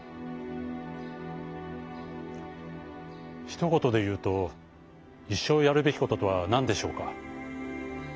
「ひと言で言うと一生やるべきこととはなんでしょうか？」。